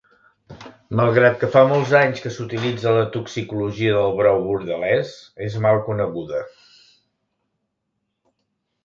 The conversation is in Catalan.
Malgrat que fa molts anys que s'utilitza la toxicologia del brou bordelès és mal coneguda.